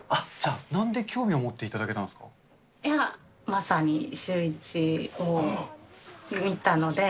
なんで興味を持っていただけいや、まさに、シューイチを見たので。